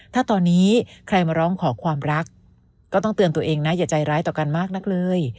ถ้าตอนนี้ใครมาร้องขอความรักก็ต้องเตือนตัวเองนะอย่าใจร้ายต่อกันมากนักเลย